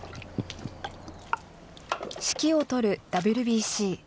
指揮を執るＷＢＣ。